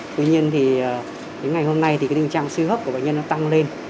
tuy nhiên thì đến ngày hôm nay thì tình trạng sưu hấp của bệnh nhân nó tăng lên